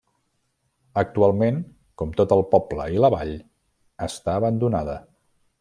Actualment, com tot el poble i la vall, està abandonada.